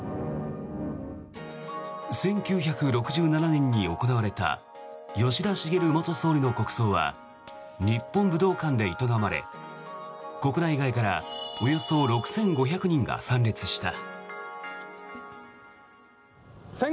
１９６７年に行われた吉田茂元総理の国葬は日本武道館で営まれ、国内外からおよそ６５００人が参列した。